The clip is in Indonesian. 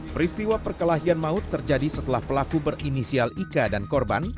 peristiwa perkelahian maut terjadi setelah pelaku berinisial ika dan korban